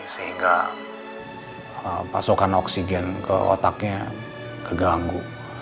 sehingga pasokan oksigen ke otaknya keganggu